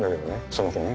その子ね。